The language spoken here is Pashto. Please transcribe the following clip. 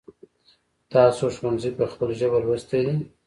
تاسو ښونځی په خپل ژبه لوستی دی ؟